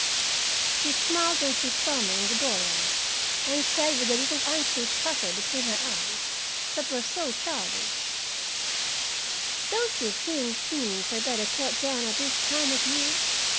She smiled when she saw me in the doorway, and said, with the little anxious pucker between her eyes that was so childish, "Don't you think peonies are better cut down at this time of year?"